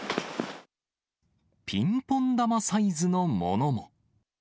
ピンポン球サイズのものも。